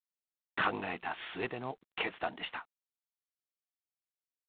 考えた末での決断でした。